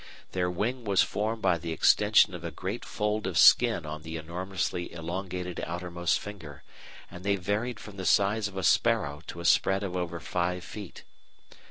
Their wing was formed by the extension of a great fold of skin on the enormously elongated outermost finger, and they varied from the size of a sparrow to a spread of over five feet.